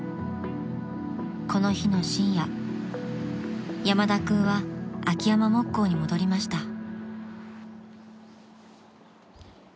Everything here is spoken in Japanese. ［この日の深夜山田君は秋山木工に戻りました］